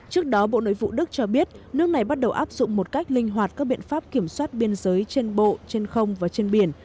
trước đó bộ nội vụ đức cho biết nước này bắt đầu áp dụng một cách linh hoạt các biện pháp kiểm soát biên giới trên bộ trên không và trên biển